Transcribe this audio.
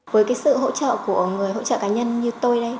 với sự hỗ trợ của người hỗ trợ cá nhân như tôi